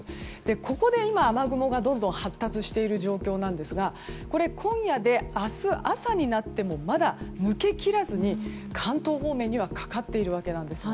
ここで今、雨雲がどんどん発達している状況ですがこれは今夜で明日朝になってもまだ抜けきらずに関東方面にはかかっているわけです。